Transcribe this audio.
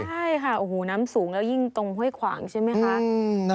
ใช่ค่ะโอ้โหน้ำสูงแล้วยิ่งตรงห้วยขวางใช่ไหมคะ